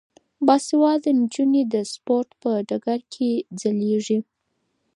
باسواده نجونې د سپورت په ډګر کې ځلیږي.